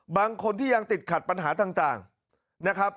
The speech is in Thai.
บางคนที่ยังติดขัดปัญหาต่างนะครับ